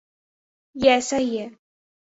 یہ ایسا ہی ہے۔